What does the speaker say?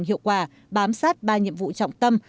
hiệu quả bám sát ba nhiệm vụ trọng tâm